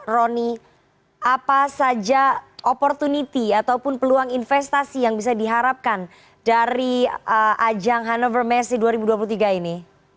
roni apa saja opportunity ataupun peluang investasi yang bisa diharapkan dari ajang hannover messe dua ribu dua puluh tiga ini